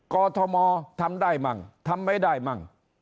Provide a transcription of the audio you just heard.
อทมทำได้มั่งทำไม่ได้มั่ง